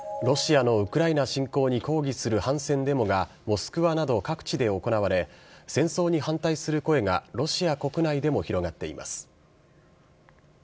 ロシアのウクライナ侵攻に抗議する反戦デモが、モスクワなど各地で行われ、戦争に反対する声がロシア国内でも広がっています。